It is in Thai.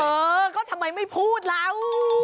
เออก็ทำไมไม่พูดเรา